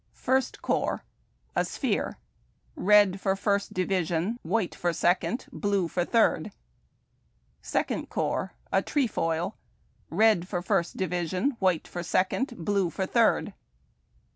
First Corps — a sphere : red for First Division; white for Second; blue for Third. Second Corps — a trefoil: red for First Division; white for Second; blue for Third.